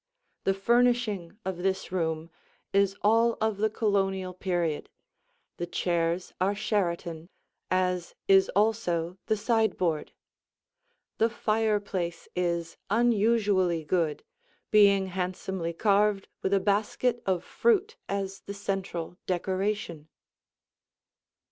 The furnishing of this room is all of the Colonial period; the chairs are Sheraton, as is also the sideboard. The fireplace is unusually good, being handsomely carved with a basket of fruit as the central decoration.